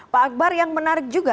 pak akbar yang menarik juga